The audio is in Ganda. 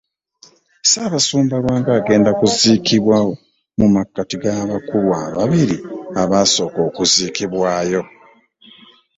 Ssaabasumba Lwanga agenda kuziikibwa mu makkati g’abakulu bano ababiri abaasooka okuziikibwayo.